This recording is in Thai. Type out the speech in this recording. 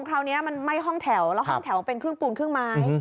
คราวนี้มันไหม้ห้องแถวแล้วห้องแถวเป็นครึ่งปูนครึ่งไม้